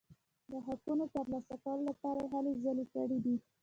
د حقونو ترلاسه کولو لپاره یې هلې ځلې کړي دي.